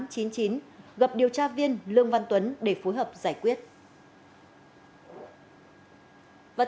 cơ quan an ninh điều tra bộ công an xác định đối tượng lý thái thạch